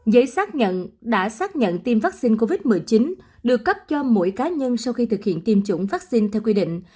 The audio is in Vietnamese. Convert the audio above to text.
giấy xác nhận đã xác nhận tiêm vaccine covid một mươi chín được cấp cho mỗi cá nhân sau khi thực hiện tiêm chủng vaccine theo quy định